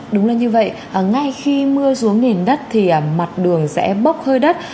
đúng là như vậy ngay khi mưa xuống nền đất thì mặt đường sẽ bốc hơi đất